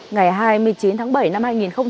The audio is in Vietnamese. ngày hai mươi chín tháng bảy năm hai nghìn hai mươi ba